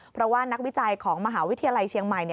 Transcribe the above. เพราะว่านักวิจัยของมหาวิทยาลัยเชียงใหม่